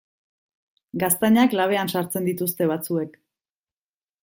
Gaztainak labean sartzen dituzte batzuek.